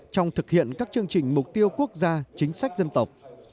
trong thực hiện các chương trình mục tiêu quốc gia chính sách dân tộc